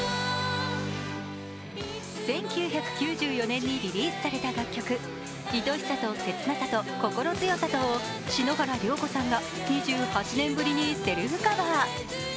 １９９４年にリリースされた楽曲、「恋しさとせつなさと心強さと」を篠原涼子さんが２８年ぶりにセルフカバー。